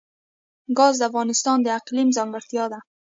ګاز د افغانستان د اقلیم ځانګړتیا ده.